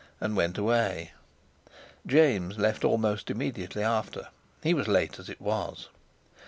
and went away. James left almost immediately after; he was late as it was.